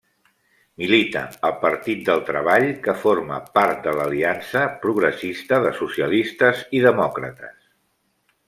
Milita al Partit del Treball, que forma part de l'Aliança Progressista de Socialistes i Demòcrates.